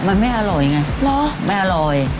มันไม่อร่อยไงไม่อร่อย